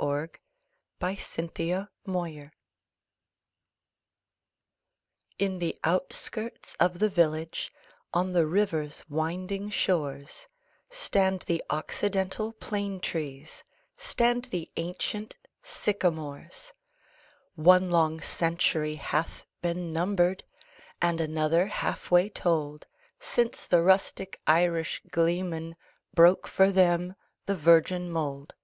John Greenleaf Whittier The Sycamores IN the outskirts of the village On the river's winding shores Stand the Occidental plane trees, Stand the ancient sycamores. One long century hath been numbered, And another half way told Since the rustic Irish gleeman Broke for them the virgin mould.